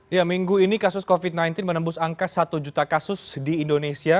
ya minggu ini kasus covid sembilan belas menembus angka satu juta kasus di indonesia